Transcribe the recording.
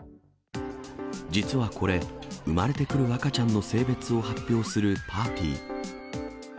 実はこれ、産まれてくる赤ちゃんの性別を発表するパーティー。